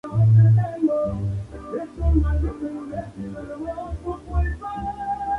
Sólo había dos calles pavimentadas: Trenque Lauquen y Pehuajó.